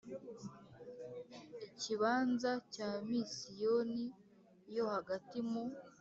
Ikibanza cya Misiyoni yo hagati mu